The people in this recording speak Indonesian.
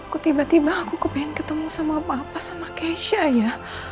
kok tiba tiba aku kepengen ketemu sama papa sama keisha ya